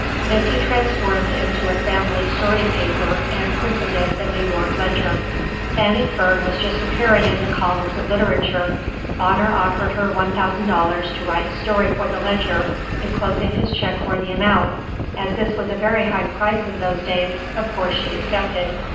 This he transformed into a family story paper, and christened it the New York Ledger. Fanny Fern was just appearing in the columns of literature. Bonner offered her $1,000 to write a story for the Ledger, enclosing his check for the amount. As this was a very high price in those days, of course she accepted.